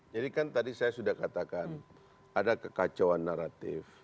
jadi kan tadi saya sudah katakan ada kekacauan naratif